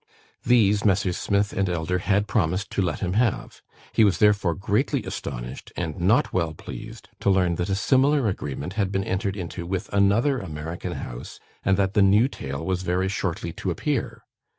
These Messrs. Smith and Elder had promised to let him have. He was therefore greatly astonished, and not well pleased, to learn that a similar agreement had been entered into with another American house, and that the new tale was very shortly to appear.